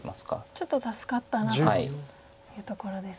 ちょっと助かったなというところですか。